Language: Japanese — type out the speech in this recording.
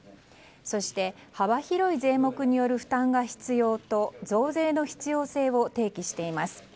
そして、幅広い税目による負担が必要と増税の必要性を提起しています。